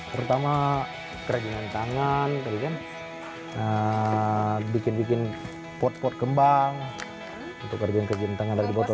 pertama kerja dengan tangan bikin pot pot kembang untuk kerja dengan tangan dari botol botol